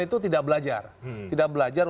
itu tidak belajar tidak belajar